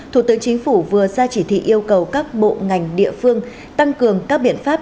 thủ tướng chính phủ vừa ra chỉ thị yêu cầu các bộ ngành địa phương tăng cường các biện pháp